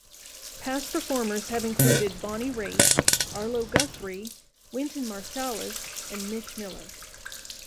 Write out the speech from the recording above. Past performers have included Bonnie Raitt, Arlo Guthrie, Wynton Marsalis, and Mitch Miller.